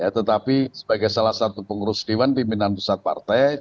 tetapi sebagai salah satu pengurus dewan pimpinan pusat partai